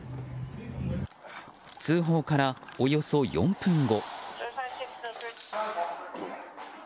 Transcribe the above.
通報からおよそ４分後。